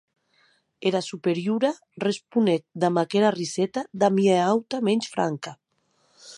Era Superiora responec ad aquera riseta damb ua auta mens franca.